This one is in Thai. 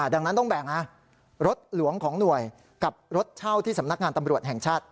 ดังนั้นต้องแบ่งรถหลวงของหน่วยกับรถเช่าที่สำนักงานตำรวจแห่งชาติ